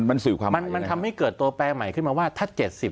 มันสื่อความหมายมันทำให้เกิดตัวแปลใหม่ขึ้นมาว่าถ้า๗๐